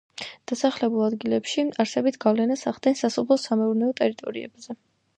დასახლებულ ადგილებში არსებით გავლენას ახდენს სასოფლო-სამეურნეო ტერიტორიებზე.